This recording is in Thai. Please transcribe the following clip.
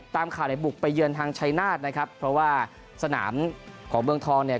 ตามข่าวในบุกไปเยือนทางชัยนาธนะครับเพราะว่าสนามของเมืองทองเนี่ย